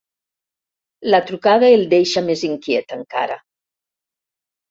La trucada el deixa més inquiet, encara.